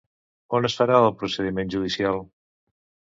On es farà el procediment judicial?